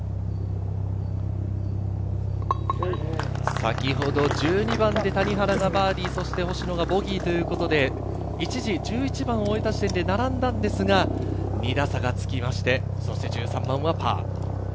先ほど１２番で谷原がバーディー、そして星野がボギーということで一時、１１番を終えた時点で並んだんですが、２打差がつきまして１３番はパー。